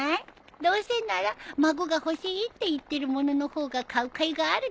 どうせなら孫が欲しいって言ってる物の方が買うかいがあるでしょ？